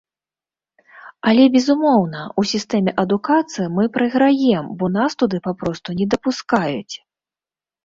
Але, безумоўна, у сістэме адукацыі мы прайграем, бо нас туды папросту не дапускаюць.